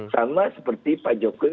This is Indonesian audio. sama seperti pak jokowi